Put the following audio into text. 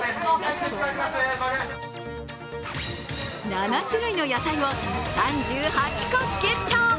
７種類の野菜を３８個ゲット。